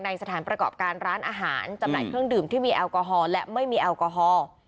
สถานประกอบการร้านอาหารจำหน่ายเครื่องดื่มที่มีแอลกอฮอล์และไม่มีแอลกอฮอล์